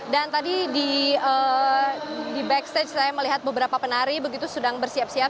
dan tadi di backstage saya melihat beberapa penari begitu sedang bersiap siap